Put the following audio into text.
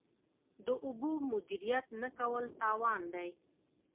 د اوبو مدیریت نه کول تاوان دی.